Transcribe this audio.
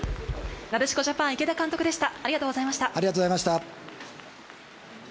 なでしこジャパン・池田監督でした。